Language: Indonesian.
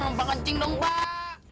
lompat kencing dong pak